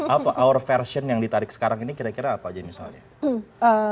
apa our version yang ditarik sekarang ini kira kira apa aja misalnya